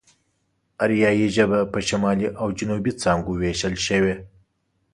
آريايي ژبه په شمالي او جنوبي څانگو وېشل شوې.